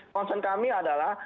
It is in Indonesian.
concern kami adalah